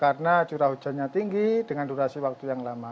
karena curah hujannya tinggi dengan durasi waktu yang lama